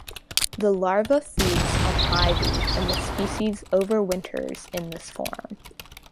The larva feeds on ivy and the species overwinters in this form.